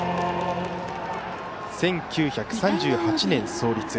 １９３８年創立